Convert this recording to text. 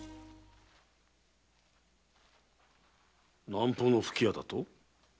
南方の吹き矢だと？